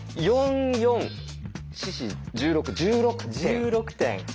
１６点。